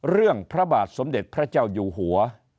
พระบาทสมเด็จพระเจ้าอยู่หัว